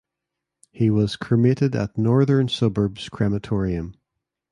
He was cremated at Northern Suburbs crematorium.